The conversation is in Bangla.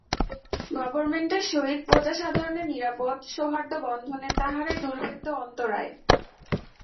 গবর্মেণ্টের সহিত প্রজাসাধারণের নিরাপদ সৌহার্দবন্ধনের তাহারাই দুর্ভেদ্য অন্তরায়।